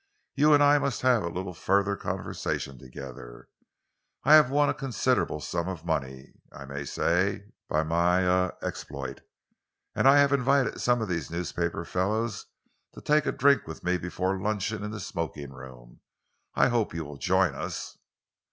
You and I must have a little further conversation together. I have won a considerable sum of money, I may say, by my er exploit, and I have invited some of these newspaper fellows to take a drink with me before luncheon in the smoking room. I hope you will join us?"